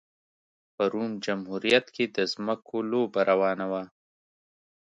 په روم جمهوریت کې د ځمکو لوبه روانه وه